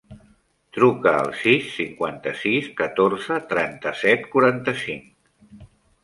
Truca al sis, cinquanta-sis, catorze, trenta-set, quaranta-cinc.